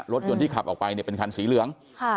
รถยนต์ที่ขับออกไปเนี่ยเป็นคันสีเหลือง